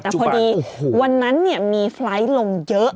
แต่พอดีวันนั้นมีไฟล์ทลงเยอะ